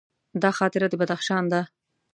دا خاطره د بدخشان ده.